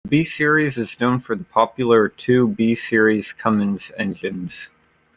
The B Series is known for the popular two B Series Cummins engines.